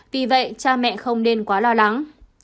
vì vậy cha mẹ không nên quá lo lắng